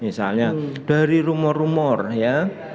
misalnya dari rumor rumor ya